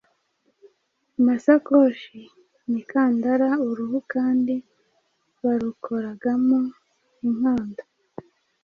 amasakoshi, imikandara. Uruhu kandi barukoragamo inkanda,